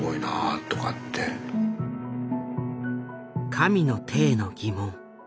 神の手への疑問。